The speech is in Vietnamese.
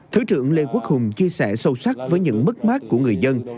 thứ trưởng lê quốc hùng chia sẻ sâu sắc với những mất mát của người dân